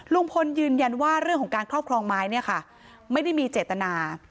ลุงพลยืนยันว่าเรื่องของการครอบครองไม้เนี่ยค่ะไม่ได้มีเจตนา